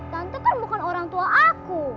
tante bela tuh bukan orang tua aku